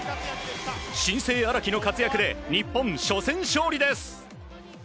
新星・荒木の活躍で日本、初戦勝利です！